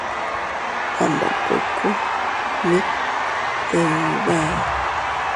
A nda kuiku mit dii bee.